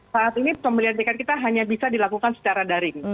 saat ini pembelian tiket kita hanya bisa dilakukan secara daring